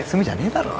だろ